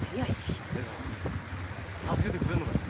姉さん助けてくれんのかい？